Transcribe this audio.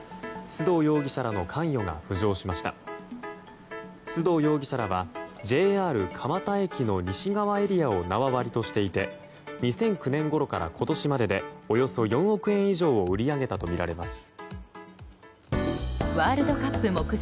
須藤容疑者らはＪＲ蒲田駅の西側エリアを縄張りとしていて２００９年ごろから今年まででおよそ４億円以上を売り上げたとみられています。